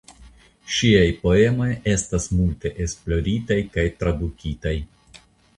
Ŝiaj poemoj estas multe esploritaj kaj tradukitaj.